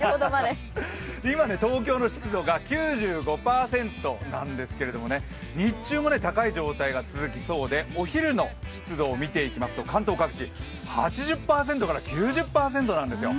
今、東京の湿度が９５％なんですけど日中も高い状態が続くそうでお昼の湿度を見ていきますと関東各地、８０％から９０％なんですよ。